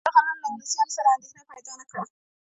دې یرغلونو له انګلیسيانو سره اندېښنه پیدا نه کړه.